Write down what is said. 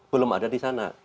belum ada di sana